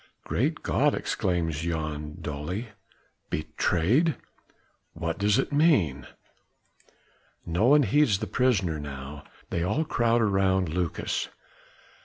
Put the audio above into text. "Great God!" exclaims Jan dully. "Betrayed!" "What does it mean?" No one heeds the prisoner now. They all crowd around Lucas.